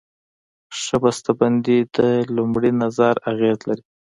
ښه بسته بندي د لومړي نظر اغېز لري.